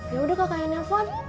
yaudah kakak yang nelfon